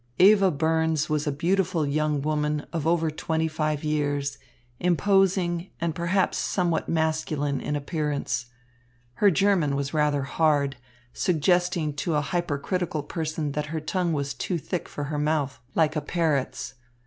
Eva Burns was a beautiful young woman of over twenty five years, imposing and perhaps somewhat masculine in appearance. Her German was rather hard, suggesting to a hypercritical person that her tongue was too thick for her mouth, like a parrot's.